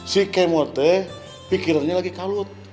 si kemote pikirannya lagi kalut